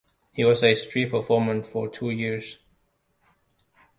I was a street performer for two years.